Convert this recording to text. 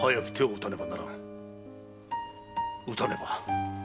打たねば。